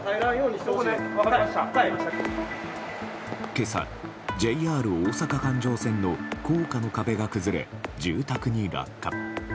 今朝、ＪＲ大阪環状線の高架の壁が崩れ、住宅に落下。